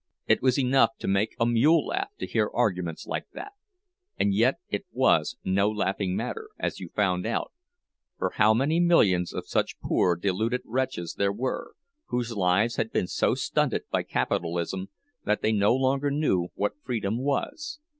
It was enough to make a mule laugh, to hear arguments like that; and yet it was no laughing matter, as you found out—for how many millions of such poor deluded wretches there were, whose lives had been so stunted by capitalism that they no longer knew what freedom was!